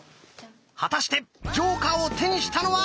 果たしてジョーカーを手にしたのは！